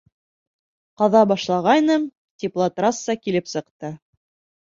Ҡаҙа башлағайным, теплотрасса килеп сыҡты.